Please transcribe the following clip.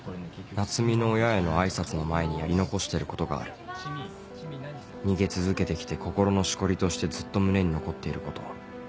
奈津美の親への挨拶の前にやり残してることがある逃げ続けて来て心のしこりとしてずっと胸に残っていること